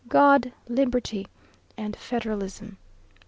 "God, Liberty, and Federalism.